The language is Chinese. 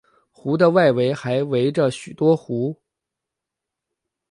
湖的外围还围着许多湖。